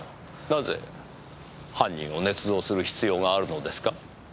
なぜ犯人をねつ造する必要があるのですか？